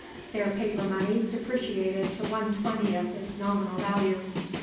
Their paper money depreciated to one twentieth its nominal value.